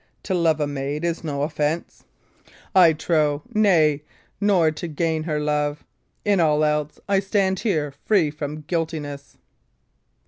To love a maid is no offence, I trow nay, nor to gain her love. In all else, I stand here free from guiltiness."